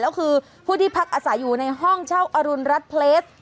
ก็คือผู้ที่พักอาศัยอยู่ในห้องเช่าอรุณรัฐเพลส